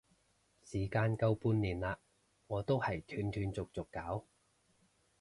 時間夠半年啦，我都係斷斷續續搞